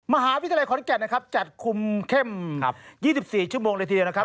มหาวิทยาลัยขอนแก่นจัดคุมเข้ม๒๔ชั่วโมงในทีเดียว